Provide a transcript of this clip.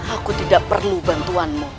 aku tidak perlu bantuanmu